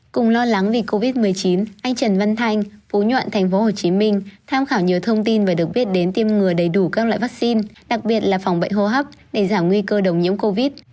cùng lo lắng vì covid một mươi chín anh trần văn thanh phú nhuận tp hcm tham khảo nhiều thông tin và được biết đến tiêm ngừa đầy đủ các loại vaccine đặc biệt là phòng bệnh hô hấp để giảm nguy cơ đồng nhiễm covid